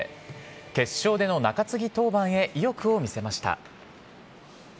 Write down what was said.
決勝での中継ぎ登板へ意欲を見せました。